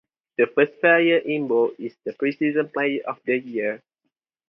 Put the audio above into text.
The first player in bold is the preseason player of the year.